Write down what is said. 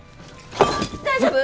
大丈夫！？